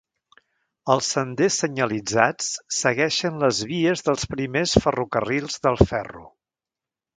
Els senders senyalitzats segueixen les vies dels primers ferrocarrils del ferro.